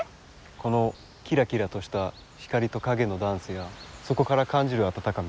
このきらきらとした光と影のダンスやそこから感じる温かみ。